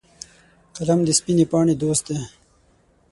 قلم د سپینې پاڼې دوست دی